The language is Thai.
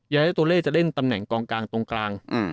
ยายะตูเล่จะเล่นตำแหน่งกลาง